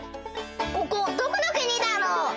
ここどこのくにだろう？